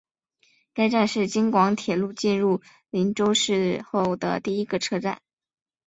该站是京广铁路进入郴州市后的第一个车站。